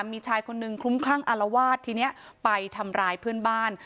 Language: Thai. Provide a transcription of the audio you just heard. มีชายคนนึงคลุ้มคลั่งอารวาสทีนี้ไปทำร้ายเพื่อนบ้าน